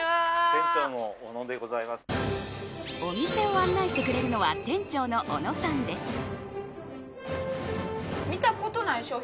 お店を案内してくれるのは店長の小野さんです。